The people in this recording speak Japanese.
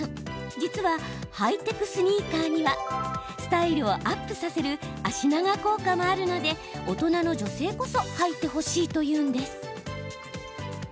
実は、ハイテクスニーカーにはスタイルをアップさせる足長効果もあるので大人の女性こそ履いてほしいというんです。